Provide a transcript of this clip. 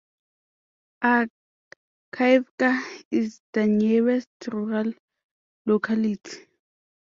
Arkayevka is the nearest rural locality.